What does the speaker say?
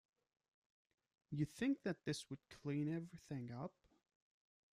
You think that this would clean everything up?